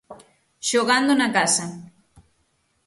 Xogando na casa.